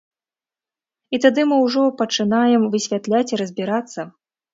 І тады мы ўжо пачынаем высвятляць і разбірацца.